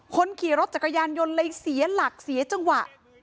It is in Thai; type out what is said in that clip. คนขี่รถจักรยานยนต์เลยเสียหลักเสียจังหวะ